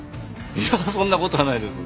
いやそんなことはないです。